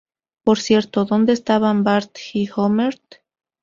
Por cierto, ¿dónde estaban Bart y Homer?